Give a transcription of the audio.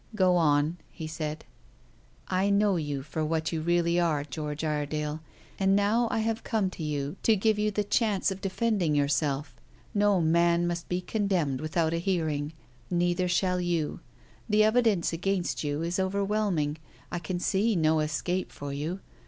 "Go on," he said. "I know you for what you really are, George Iredale. And now I have come to you to give you the chance of defending yourself. No man must be condemned without a hearing. Neither shall you. The evidence against you is overwhelming; I can see no escape for you.